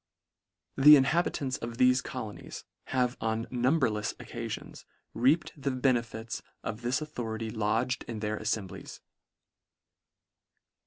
The inhabitants of thefe colonies have on numberlefs occafions, reaped the benefits of this authority lodged in their affemblies.